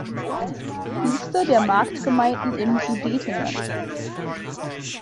Liste der Marktgemeinden im Sudetenland